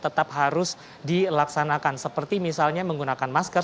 tetap harus dilaksanakan seperti misalnya menggunakan masker